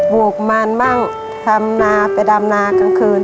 ลูกมันบ้างทำนาไปดำนากลางคืน